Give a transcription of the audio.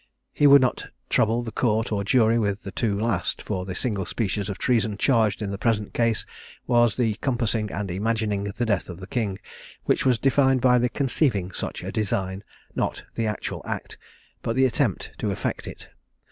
He would not trouble the Court or Jury with the two last: for the single species of treason charged in the present case was the compassing and imagining the death of the king; which was defined by the conceiving such a design; not the actual act, but the attempt to effect it.